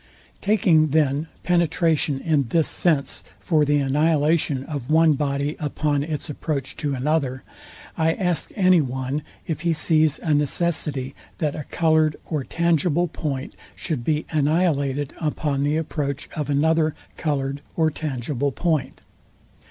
Taking then penetration in this sense, for the annihilation of one body upon its approach to another, I ask any one, if he sees a necessity, that a coloured or tangible point should be annihilated upon the approach of another coloured or tangible point?